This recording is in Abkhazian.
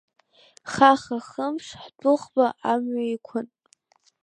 Хаха-хымш ҳдәыӷба амҩа иқәын.